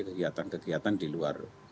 kegiatan kegiatan di luar